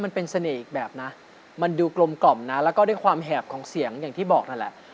มันเป็นเสน่ห์อีกแบบนะมันดูกลมกล่อมนะแล้วก็ด้วยความแหบของเสียงอย่างที่บอกนั่นแหละ